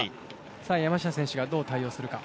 山下選手がどう対応するか。